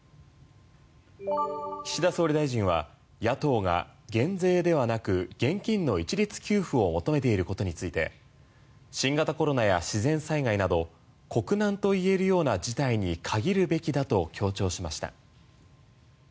岸田総理大臣は野党が、減税ではなく現金の一律給付を求めていることについて新型コロナや自然災害など国難といえるような事態に限るべきだと強調しました。